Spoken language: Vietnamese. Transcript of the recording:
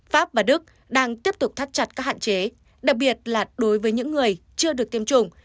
pháp và đức đang tiếp tục thắt chặt các hạn chế đặc biệt là đối với những người chưa được tiêm chủng